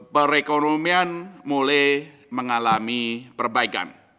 perekonomian mulai mengalami perbaikan